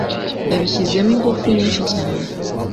Yabishyizemo ingufu nyinshi cyane